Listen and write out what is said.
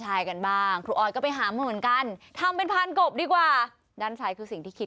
อ๋อหมายถึงว่าด้านขวาใช่ไหม